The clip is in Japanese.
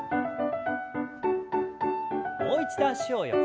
もう一度脚を横に。